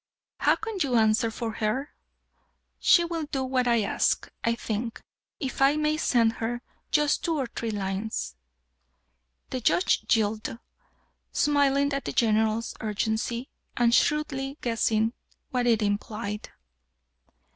"How can you answer for her?" "She will do what I ask, I think, if I may send her just two or three lines." The Judge yielded, smiling at the General's urgency, and shrewdly guessing what it implied.